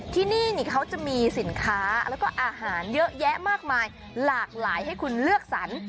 ที่นี่เขาจะมีสินค้าแล้วก็อาหารเยอะแยะมากมายหลากหลายให้คุณเลือกสรร